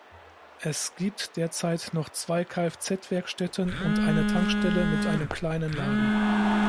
Es gibt derzeit noch zwei Kfz-Werkstätten und eine Tankstelle mit einem kleinen Laden.